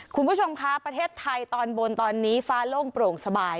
คุณผู้ชมคะประเทศไทยตอนบนตอนนี้ฟ้าโล่งโปร่งสบาย